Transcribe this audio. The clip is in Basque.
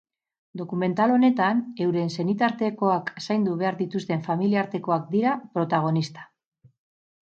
Dokumental honetan euren senitartekoak zaindu behar dituzten familiartekoak dira protagonista.